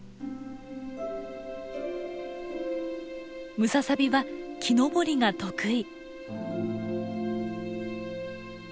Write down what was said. ムササビは木登りが得意。